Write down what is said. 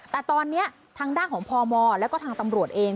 แต่ตอนนี้ทางด้านของพมแล้วก็ทางตำรวจเอง